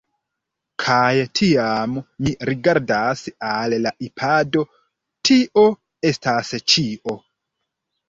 Kaj, tiam, mi rigardas al la ipado: tio estas ĉio.